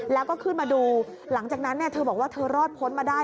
แล้วก็ขึ้นมาดูหลังจากนั้นเธอบอกว่าเธอรอดพ้นมาได้